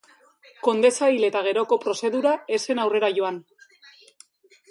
Kondesa hil eta geroko prozedura ez zen aurrera joan.